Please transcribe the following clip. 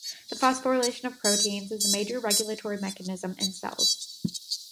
The phosphorylation of proteins is a major regulatory mechanism in cells.